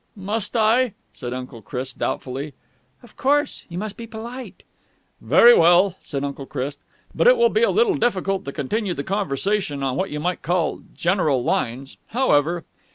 "Must I?" said Uncle Chris doubtfully. "Of course. You must be polite." "Very well," said Uncle Chris. "But it will be a little difficult to continue the conversation on what you might call general lines. However!"